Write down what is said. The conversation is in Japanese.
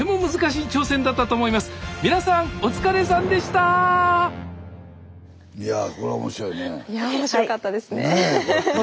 いや面白かったですね。